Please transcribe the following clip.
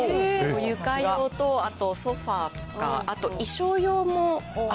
床用と、あとソファと、あと衣装用も。